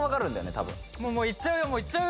たぶんもういっちゃうよ